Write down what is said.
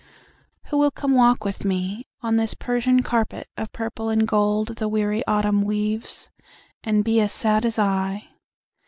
Who will come walk with me On this Persian carpet of purple and gold The weary autumn weaves, And be as sad as I?